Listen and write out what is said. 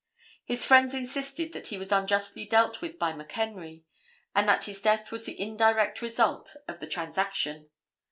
His friends insisted that he was unjustly dealt with by McHenry, and that his death was the indirect result of the transaction.